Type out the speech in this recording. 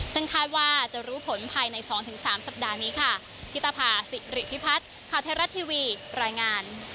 ซึ่งคาดว่าจะรู้ผลภายใน๒๓สัปดาห์นี้ค่ะ